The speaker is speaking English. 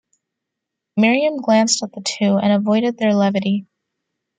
Miriam glanced at the two, and avoided their levity.